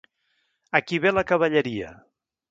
Aquí ve la cavalleria.